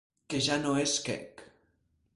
Que ja no és quec.